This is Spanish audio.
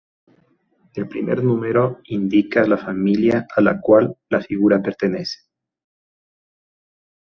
El primer número indica la Familia a la cual la figura pertenece.